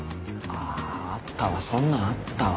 ああったわそんなんあったわ。